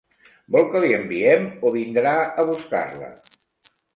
Vol que li enviem o vindrà a buscar-la?